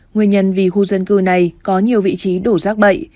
nguyên nhân vì khu dân cư này có nhiều vị trí đủ rác bậy